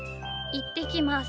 いってきます。